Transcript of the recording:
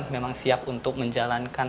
memang siap untuk menjalankan